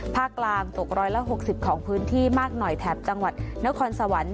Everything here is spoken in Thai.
ภาคกลางตกร้อยละ๖๐ของพื้นที่มากหน่อยแถบจังหวัดนครสวรรค์